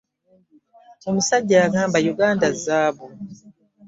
Omusajja yagamba Yuganda zzaabu.